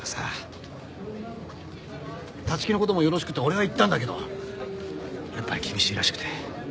立木の事もよろしくって俺は言ったんだけどやっぱり厳しいらしくて。